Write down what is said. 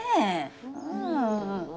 うん。